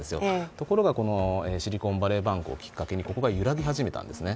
ところが、シリコンバレーバンクをきっかけにここが揺らぎ始めたんですね。